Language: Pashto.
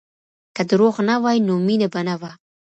که دروغ نه وای نو مینه به نه وه.